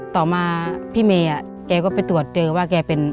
ต่อมาพี่เมย์แกก็ไปตรวจเจอว่าแกเป็น